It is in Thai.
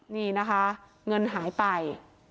นี่นะคะเงินหายไป